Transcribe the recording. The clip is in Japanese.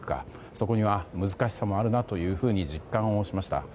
そこには難しさもあるなというふうに実感しました。